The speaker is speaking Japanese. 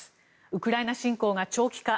ウクライナ侵攻が長期化。